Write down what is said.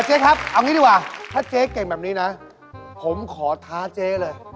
เจ๊ครับเอางี้ดีกว่าถ้าเจ๊เก่งแบบนี้นะผมขอท้าเจ๊เลย